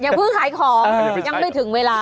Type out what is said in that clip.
เพิ่งขายของยังไม่ถึงเวลา